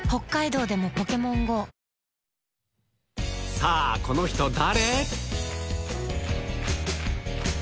さあ、この人、誰？